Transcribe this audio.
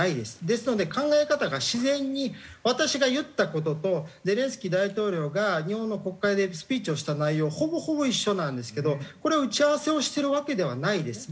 ですので考え方が自然に私が言った事とゼレンスキー大統領が日本の国会でスピーチをした内容ほぼほぼ一緒なんですけどこれ打ち合わせをしてるわけではないです。